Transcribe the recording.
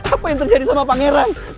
apa yang terjadi sama pangeran